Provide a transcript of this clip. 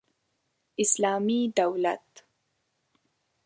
اسلامي دولت